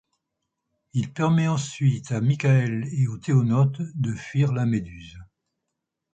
Il permet ensuite à Michael et aux Theonautes de fuir la Méduse.